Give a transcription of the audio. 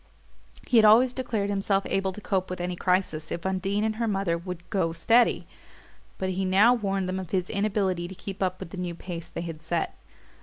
He had always declared himself able to cope with any crisis if Undine and her mother would "go steady"; but he now warned them of his inability to keep up with the new pace they had set.